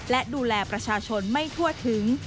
และดูแลประชาชนไม่ทั่วถึง